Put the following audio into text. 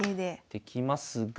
できますが。